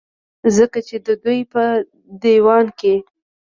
ځکه چې د دوي پۀ ديوان کې